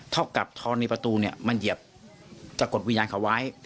เท่ากับทองในประตูเนี่ยมันเหยียบสะกดวิญญาณเขาไว้